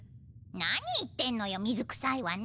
何言ってんのよ水くさいわね。